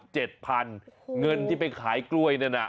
เจ็ดพันเงินที่ไปขายกล้วยนั่นนะ